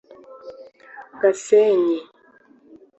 Gasenyi